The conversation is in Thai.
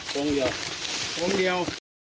ตรงเดียว